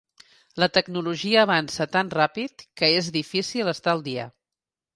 La tecnologia avança tan ràpid que és difícil estar al dia.